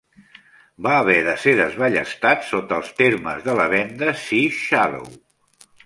Va haver de ser desballestat sota els termes de la venda "Sea Shadow".